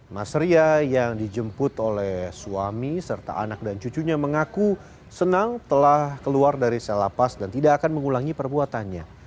mas ria yang dijemput oleh suami serta anak dan cucunya mengaku senang telah keluar dari sel lapas dan tidak akan mengulangi perbuatannya